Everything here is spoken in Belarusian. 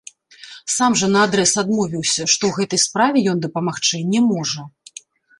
Сам жа наадрэз адмовіўся, што ў гэтай справе ён дапамагчы не можа.